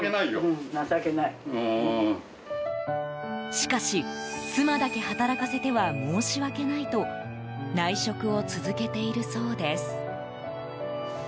しかし、妻だけ働かせては申し訳ないと内職を続けているそうです。